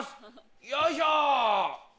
よいしょ！